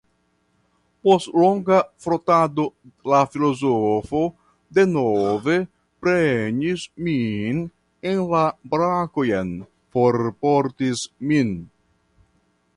Post longa frotado la filozofo denove prenis min en la brakojn, forportis min.